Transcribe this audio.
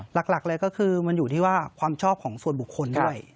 หลักเลยก็คือมันอยู่ที่ว่าความชอบของส่วนบุคคลด้วย